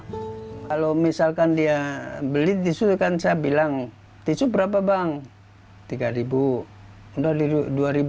kalau misalkan dia beli disuruhkan saya bilang tisu berapa bang tiga ribu udah di dua ribu